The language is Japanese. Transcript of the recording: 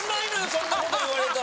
そんな事言われたら。